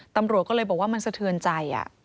ตำรวจก็เลยบอกว่ามันสะเทือนใจ